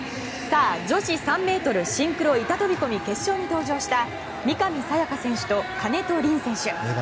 さあ、女子３ｍシンクロ板飛込決勝に登場した三上紗也可選手と、金戸凜選手。